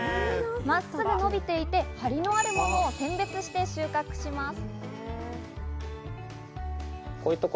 真っすぐ伸びていて、張りのあるものを選別して収穫します。